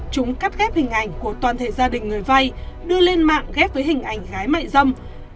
chúng cắt ghép hình ảnh của toàn thể gia đình người vay đưa lên mạng ghép với hình ảnh gái mại dâm